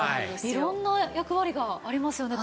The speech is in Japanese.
色んな役割がありますよね